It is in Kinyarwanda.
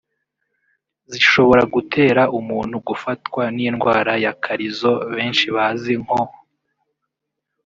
zishobora gutera umuntu gufatwa n’indwara ya karizo benshi bazi nko